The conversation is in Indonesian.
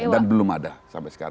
dan belum ada sampai sekarang